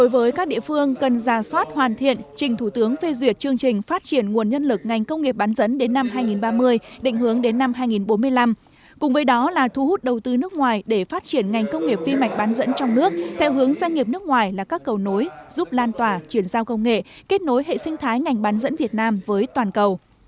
với các địa phương cần ra soát hoàn thiện trình thủ tướng phê duyệt chương trình phát triển nguồn nhân lực ngành công nghiệp bán dẫn đến năm hai nghìn ba mươi định hướng đến năm hai nghìn bốn mươi năm cùng với đó là thu hút đầu tư nước ngoài để phát triển ngành công nghiệp vi mạch bán dẫn trong nước theo hướng doanh nghiệp nước ngoài là các cầu nối giúp lan tỏa chuyển giao công nghệ kết nối hệ sinh thái ngành bán dẫn việt nam với toàn cầu